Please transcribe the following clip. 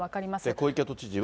小池都知事は。